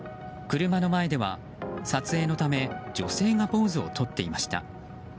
車の前では撮影のため女性がポーズをとっていました。